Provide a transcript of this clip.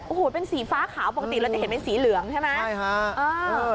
โอ้โหเป็นสีฟ้าขาวปกติเราจะเห็นเป็นสีเหลืองใช่ไหมใช่ฮะเออ